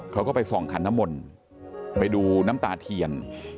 เขาก็ไปส่องขันน้ำมนต์ไปดูน้ำตาเทียน